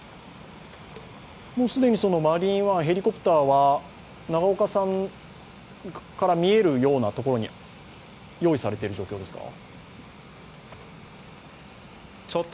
もう既に、マリーンワン、ヘリコプターは永岡さんから見えるようなところに用意されている状況ですか。